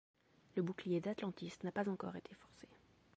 Le bouclier d'Atlantis n'a pas encore été forcé.